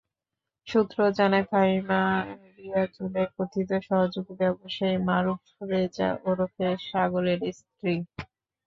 সূত্র জানায়, ফাহিমা রিয়াজুলের কথিত সহযোগী ব্যবসায়ী মারুফ রেজা ওরফে সাগরের স্ত্রী।